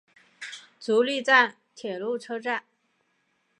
足利站铁路车站。